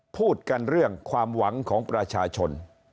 พูดกันเรื่องความหวังของประชาชน